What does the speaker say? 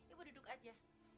ibu duduk aja